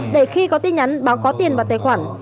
để khi có tin nhắn báo có tiền vào tài khoản